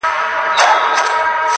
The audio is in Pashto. • کيسه د فکر سبب ګرځي تل..